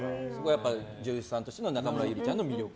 やっぱり女優さんとしての中村ゆりさんの魅力。